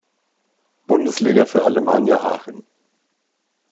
Bundesliga für Alemannia Aachen.